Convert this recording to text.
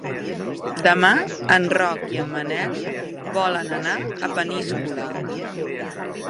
Demà en Roc i en Manel volen anar a Peníscola.